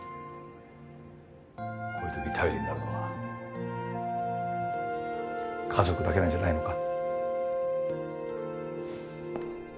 こういう時頼りになるのは家族だけなんじゃないのか？